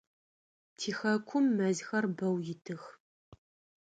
Тихэкум мэзхэр бэу итых.